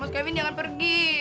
mas kevin jangan pergi